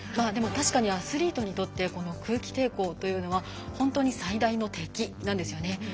でも確かにアスリートにとってこの空気抵抗というのは本当に最大の敵なんですよね。